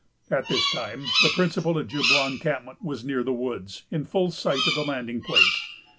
At this time, the principal Ojibwa encampment was near the woods, in full sight of the landing place.